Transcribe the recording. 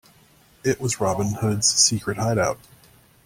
It was Robin Hood's secret hideout.